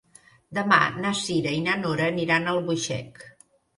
Demà na Cira i na Nora aniran a Albuixec.